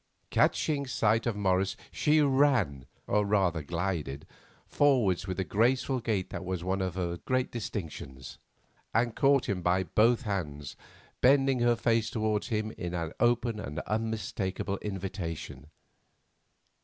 Catching sight of Morris, she ran, or rather glided, forward with the graceful gait that was one of her distinctions, and caught him by both hands, bending her face towards him in open and unmistakable invitation.